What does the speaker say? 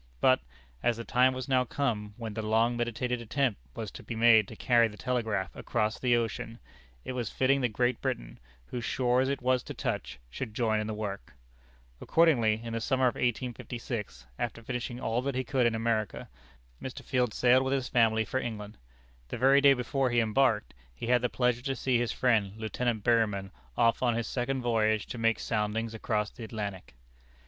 But, as the time was now come when the long meditated attempt was to be made to carry the Telegraph across the ocean, it was fitting that Great Britain, whose shores it was to touch, should join in the work. Accordingly, in the summer of 1856, after finishing all that he could do in America, Mr. Field sailed with his family for England. The very day before he embarked, he had the pleasure to see his friend, Lieutenant Berryman, off on his second voyage to make soundings across the Atlantic.